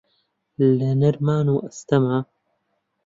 لە نەرمان و ئەستەما